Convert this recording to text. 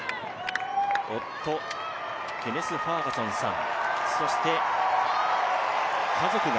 夫ケネス・ファーガソンさん